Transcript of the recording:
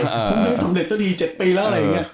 ไม่สำเร็จต้นที๗ปีแล้วอะไรอย่างเงี้ย